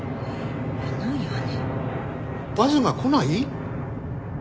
バスが来ない？